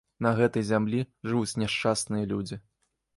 На гэтай зямлі жывуць няшчасныя людзі.